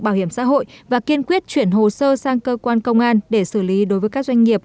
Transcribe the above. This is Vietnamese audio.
bảo hiểm xã hội và kiên quyết chuyển hồ sơ sang cơ quan công an để xử lý đối với các doanh nghiệp